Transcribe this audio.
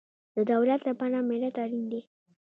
د دولت لپاره ملت اړین دی